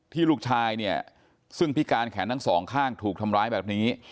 ลูกชายเนี่ยซึ่งพิการแขนทั้งสองข้างถูกทำร้ายแบบนี้